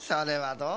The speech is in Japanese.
どう？